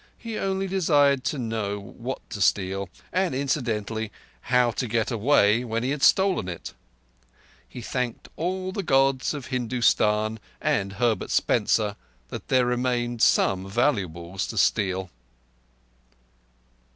He only desired to know what to steal, and, incidentally, how to get away when he had stolen it. He thanked all the Gods of Hindustan, and Herbert Spencer, that there remained some valuables to steal.